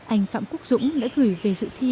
anh phạm quốc dũng đã gửi về dự thi